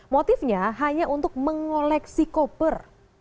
motifnya hanya untuk mengoleksi koper